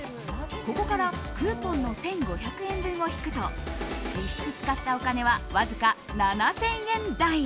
ここからクーポンの１５００円分を引くと実質使ったお金はわずか７０００円台。